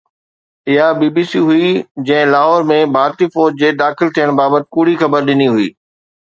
اها B B C هئي جنهن لاهور ۾ ڀارتي فوج جي داخل ٿيڻ بابت ڪوڙي خبر ڏني هئي